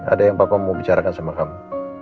ada yang papa mau bicarakan sama kamu